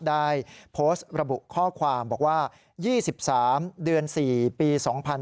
ได้โพสต์ระบุข้อความบอกว่า๒๓เดือน๔ปี๒๕๕๙